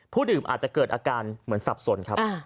ดื่มอาจจะเกิดอาการเหมือนสับสนครับ